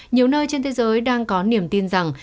nhiều nơi trên thế giới đang có niềm tin rằng